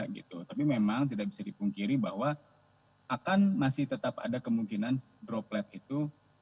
gitu tapi memang tidak bisa dipungkiri bahwa akan masih tetap ada kemungkinan droplet itu